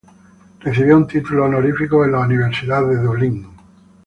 Recibió un título honorífico de la Universidad de Dublín.